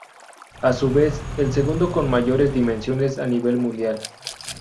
A su vez, el segundo con mayores dimensiones a nivel mundial.